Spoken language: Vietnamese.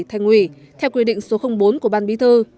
thành ủy theo quy định số bốn của ban bí thư